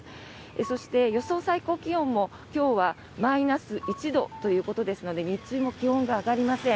そして、予想最高気温も今日はマイナス１度ということですので日中も気温が上がりません。